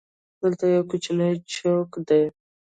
دلته یو کوچنی چوک دی.